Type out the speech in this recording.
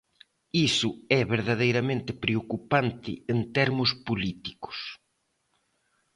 Iso é verdadeiramente preocupante en termos políticos.